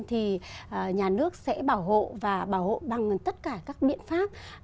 thì nhà nước sẽ bảo hộ và bảo hộ bằng tất cả các biện pháp